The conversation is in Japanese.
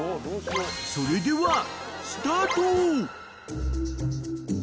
［それではスタート！］